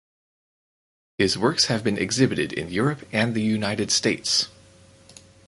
His works have been exhibited in Europe and the United States.